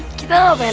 eh kita mau pengen